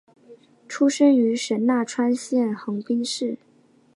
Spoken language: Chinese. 出身于神奈川县横滨市。